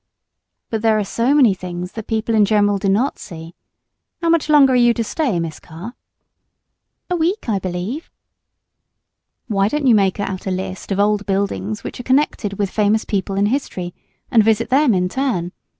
"But there are so many things that people in general do not see. How much longer are you to stay, Miss Carr?" "A week, I believe." "Why don't you make out a list of old buildings which are connected with famous people in history, and visit them in turn?